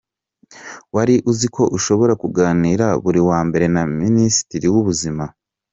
Wari uziko ushobora kuganira buri wa mbere na Minisitiri w’Ubuzima ?.